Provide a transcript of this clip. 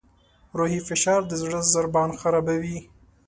روحي فشار د زړه ضربان خرابوي.